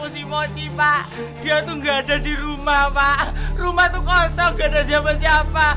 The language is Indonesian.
sama staat di rumah warung atau bosong gede siapa siapa